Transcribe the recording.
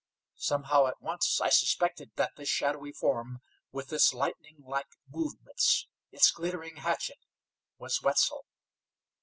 Somehow at once I suspected that this shadowy form, with its lightninglike movements, its glittering hatchet, was Wetzel.